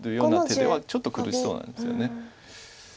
ちょっと苦しそうなんですよね。